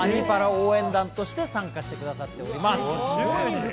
応援団として参加してくださっております。